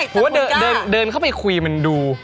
ผมว่าเดินเข้าไปคุยมันดู